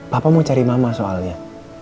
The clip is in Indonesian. papa mau cari mama soalnya